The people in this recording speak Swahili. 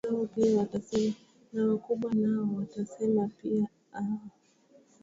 na wakubwa nao pia watasema aa